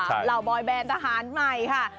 เหล่าบอยแบนทหารใหม่ค่ะ